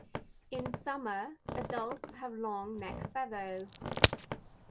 In summer, adults have long neck feathers.